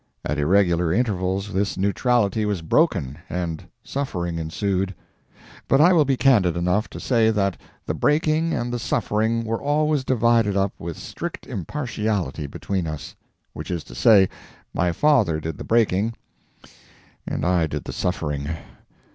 At irregular intervals this neutrality was broken, and suffering ensued; but I will be candid enough to say that the breaking and the suffering were always divided up with strict impartiality between us which is to say, my father did the breaking, and I did the suffering.